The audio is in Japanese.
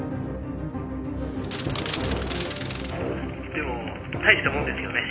でも大したもんですよね。